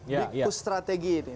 big push strategi ini